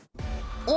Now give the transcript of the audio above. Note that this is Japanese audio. お！